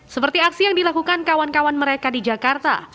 seperti aksi yang dilakukan kawan kawan mereka di jakarta